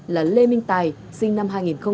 là lê minh tài sinh năm hai nghìn hai